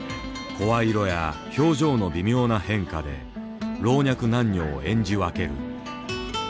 声色や表情の微妙な変化で老若男女を演じ分ける。